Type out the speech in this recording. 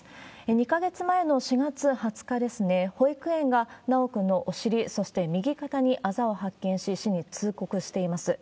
２か月前の４月２０日ですね、保育園が修くんのお尻、そして右肩にあざを発見し、市に通告しています。